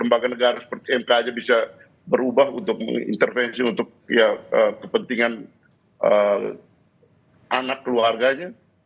lembaga negara seperti mk aja bisa berubah untuk mengintervensi untuk kepentingan anak keluarganya